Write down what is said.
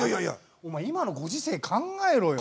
お前今のご時世考えろよ。